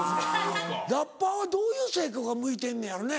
ラッパーはどういう性格が向いてんのやろね？